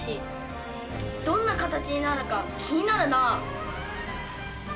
どんな形になるのか気になるな。